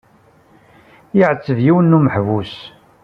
Iɛetteb yiwen n umeḥbus.